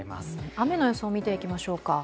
雨の予想を見ていきましょうか。